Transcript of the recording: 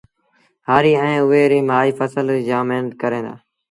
هآريٚ ائيٚݩ اُئي ريٚ مآئيٚ ڦسل ريٚ جآم مهنت ڪريݩ دآ